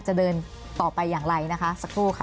จะเดินต่อไปอย่างไรนะคะสักครู่ค่ะ